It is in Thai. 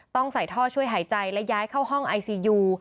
ต้องใส่ท่อช่วยหายใจและย้ายเข้าห้องไอซียู